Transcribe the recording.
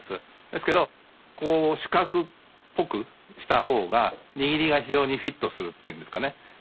ですけどこう四角っぽくした方が握りが非常にフィットするっていうんですかね